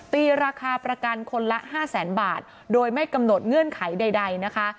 ตีราคาประกันคนละห้าแสนบาทโดยไม่กำหนดเงื่อนไขใดนะคะ